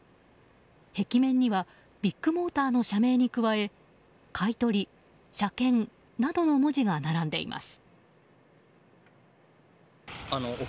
壁面にはビッグモーターの社名に加え「買取」「車検」などの文字が並んでいます。